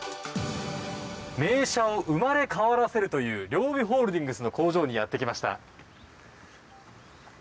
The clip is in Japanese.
名車を生まれ変わらせるという両備ホールディングスの工場にやってきました。